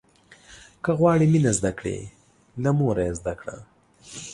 که غواړې مينه زده کړې، له موره يې زده کړه.